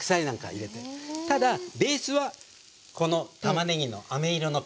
ただベースはこのたまねぎのあめ色のペースト